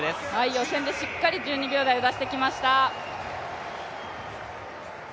予選でしっかり１２秒台を出してきました。